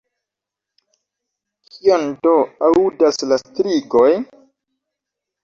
Kion do aŭdas la strigoj?